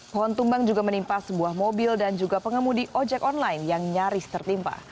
pohon tumbang juga menimpa sebuah mobil dan juga pengemudi ojek online yang nyaris tertimpa